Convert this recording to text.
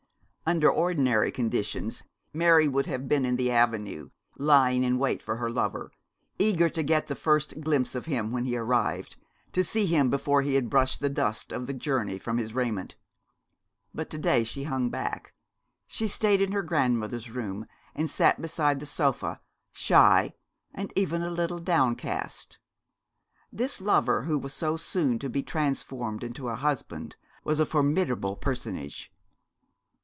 Under ordinary conditions Mary would have been in the avenue, lying in wait for her lover, eager to get the very first glimpse of him when he arrived, to see him before he had brushed the dust of the journey from his raiment. But to day she hung back. She stayed in her grandmother's room and sat beside the sofa, shy, and even a little downcast. This lover who was so soon to be transformed into a husband was a formidable personage.